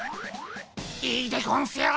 いいでゴンスよ！